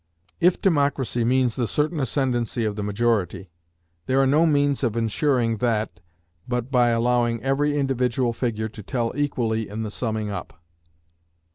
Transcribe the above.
If democracy means the certain ascendancy of the majority, there are no means of insuring that, but by allowing every individual figure to tell equally in the summing up.